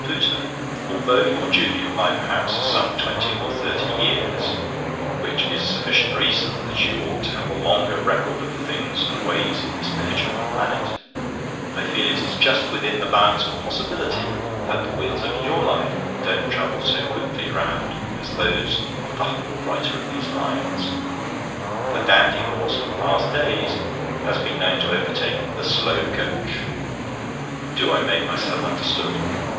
POOTER,—Although your junior by perhaps some twenty or thirty years—which is sufficient reason that you ought to have a longer record of the things and ways in this miniature of a planet—I feel it is just within the bounds of possibility that the wheels of your life don't travel so quickly round as those of the humble writer of these lines. The dandy horse of past days has been known to overtake the slow coach. "Do I make myself understood?